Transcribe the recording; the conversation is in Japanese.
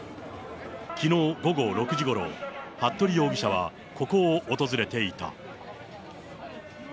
きのう午後６時ごろ、服部容疑者はここを訪れていた。